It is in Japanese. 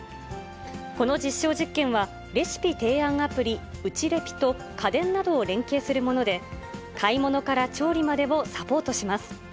この実証実験は、レシピ提案アプリ、うちレピと家電などを連携するもので、買い物から調理までをサポートします。